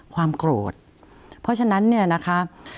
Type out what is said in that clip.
ความโกรธเพราะฉะนั้นเนี่ยนะคะ